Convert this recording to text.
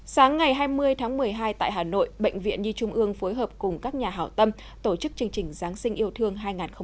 sáng ngày hai mươi tháng một mươi hai tại hà nội bệnh viện nhi trung ương phối hợp cùng các nhà hảo tâm tổ chức chương trình giáng sinh yêu thương hai nghìn hai mươi